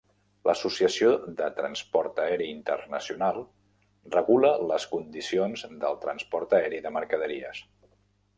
L'Associació de Transport Aeri Internacional regula les condicions del transport aeri de mercaderies.